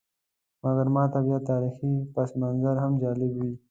مګر ماته بیا تاریخي پسمنظر هم جالب وي.